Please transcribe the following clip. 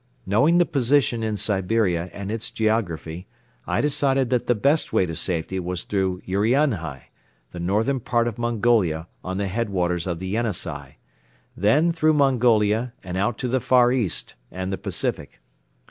Knowing the position in Siberia and its geography, I decided that the best way to safety was through Urianhai, the northern part of Mongolia on the head waters of the Yenisei, then through Mongolia and out to the Far East and the Pacific.